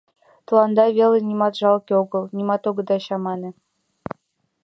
— Тыланда веле нимат жалке огыл, нимат огыда чамане.